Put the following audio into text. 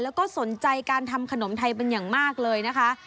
แล้วก็สนใจการทำขนมไทยเป็นอย่างมากเลยนะคะ